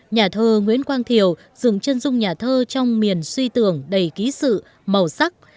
nhà thơ nguyễn quang thiều dừng chân dung nhà thơ trong miền suy tưởng đầy ký sự màu sắc